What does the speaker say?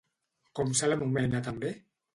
Com se l'anomena també?